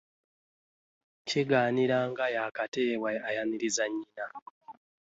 Kigaanira nga yakateebwa ayanirizibwa nnyina